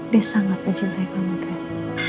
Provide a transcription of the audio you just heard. dia sangat mencintai kamu ken